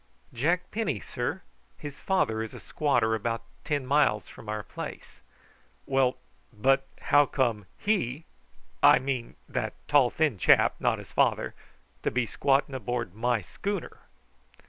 "Jack Penny, sir. His father is a squatter about ten miles from our place." "Well, but how came he I mean that tall thin chap, not his father to be squatting aboard my schooner?"